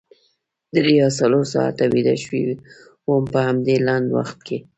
درې یا څلور ساعته ویده شوې وم په همدې لنډ وخت کې.